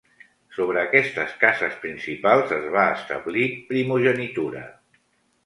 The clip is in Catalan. Sobre aquestes cases principals es va establir primogenitura.